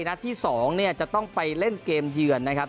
นัดที่๒เนี่ยจะต้องไปเล่นเกมเยือนนะครับ